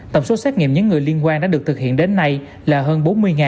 tổng số xét nghiệm những người liên quan đã được thực hiện đến nay là hơn bốn mươi